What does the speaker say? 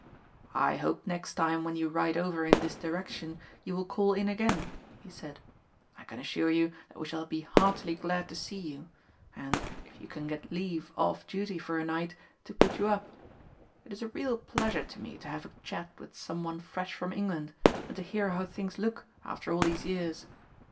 "I hope next time when you ride over in this direction you will call in again," he said. "I can assure you that we shall be heartily glad to see you, and, if you can get leave off duty for a night, to put you up. It is a real pleasure to me to have a chat with some one fresh from England, and to hear how things look after all these years.